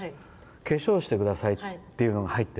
「化粧してください」っていうのが入ってて。